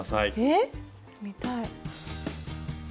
えっ見たい。